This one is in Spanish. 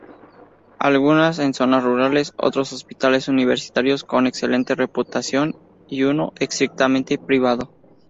Algunos en zonas rurales, otros hospitales universitarios con excelente reputación, y uno estrictamente privado.